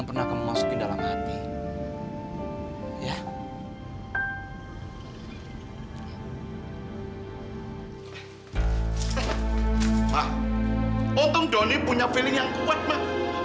pak untung donny punya feeling yang kuat mak